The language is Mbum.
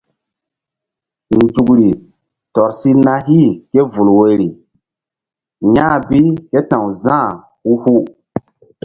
Nzukri tɔr si na hih ké vul woiri ya̧h bi ké ta̧w Za̧h hu hu.